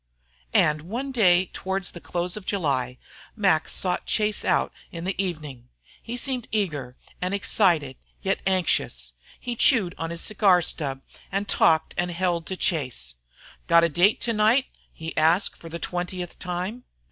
And one day towards the close of July Mac sought Chase out in the evening. He seemed eager and excited, yet anxious. He chewed on his cigar stub and talked and held to Chase. "Got a date again to night?" he asked for the twentieth time.